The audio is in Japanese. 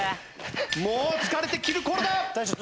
もう疲れてくる頃だ。